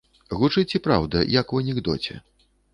Гучыць і праўда, як у анекдоце.